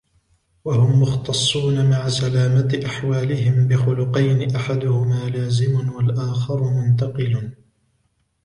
وَهُمْ مُخْتَصُّونَ مَعَ سَلَامَةِ أَحْوَالِهِمْ بِخُلُقَيْنِ أَحَدُهُمَا لَازِمٌ ، وَالْآخَرُ مُنْتَقِلٌ